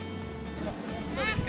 どうですか？